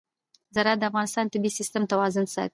زراعت د افغانستان د طبعي سیسټم توازن ساتي.